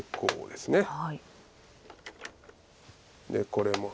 でこれも。